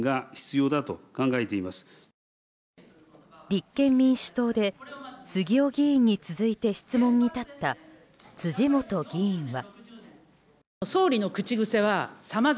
立憲民主党で杉尾議員に続いて質問に立った辻元議員は。